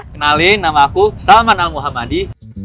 kenalin nama aku salman al muhammadiyah